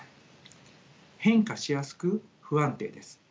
変化しやすく不安定です。